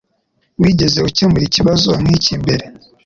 Wigeze ukemura ikibazo nkiki mbere